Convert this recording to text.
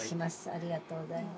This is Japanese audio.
ありがとうございます。